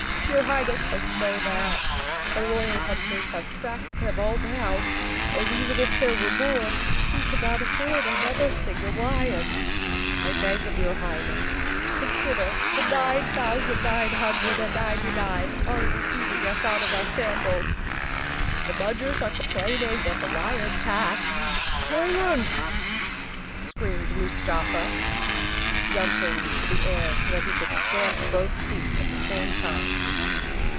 "Your Highness must know that. The royal hunters have tracked them all down, and even if there were more, we cannot afford another single lion. I beg of your Highness to consider the nine thousand nine hun¬ dred and ninety nine already eating us out of our san¬ dals. The Mudgers are complaining of the lion tax—" "Silence!" screamed Mustafa, jumping into the air 16 Chapter One so that he could stamp both feet at the same time.